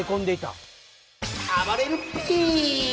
あばれるＰ！